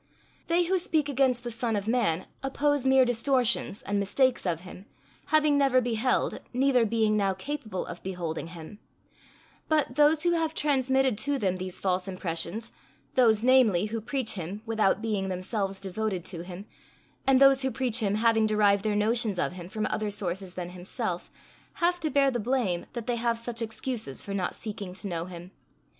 They who speak against the Son of Man oppose mere distortions and mistakes of him, having never beheld, neither being now capable of beholding, him; but those who have transmitted to them these false impressions, those, namely, who preach him without being themselves devoted to him, and those who preach him having derived their notions of him from other scources than himself, have to bear the blame that they have such excuses for not seeking to know him.